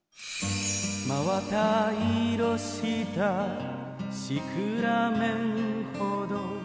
「真綿色したシクラメンほど」